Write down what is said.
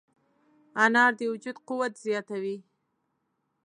انار د وجود قوت زیاتوي.